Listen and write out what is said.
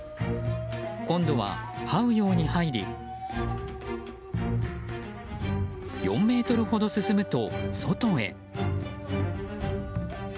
今度は、はうように入り４ｍほど進むと外へ。